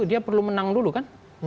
dia perlu menang dulu kan